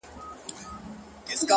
صبر د بریا د رسېدو واټن لنډوي